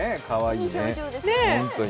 いい表情ですよね。